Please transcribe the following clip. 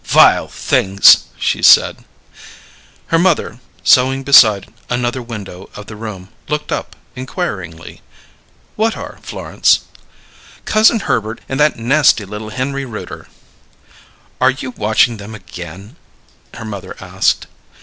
"Vile Things!" she said. Her mother, sewing beside another window of the room, looked up inquiringly. "What are, Florence?" "Cousin Herbert and that nasty little Henry Rooter." "Are you watching them again?" her mother asked.